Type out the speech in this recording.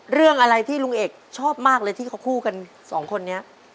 เรื่องอะไรที่ลุงเอกชอบมากเลยที่เขาคู่กันสองคนนี้